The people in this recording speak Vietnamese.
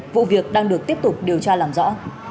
vụ việc đang được tiếp tục điều tra làm rõ